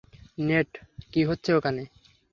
Net, কী হচ্ছে ওখানে?